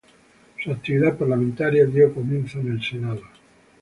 Su actividad parlamentaria dio comienzo en el Senado.